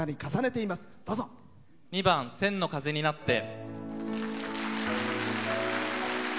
２番「千の風になって」。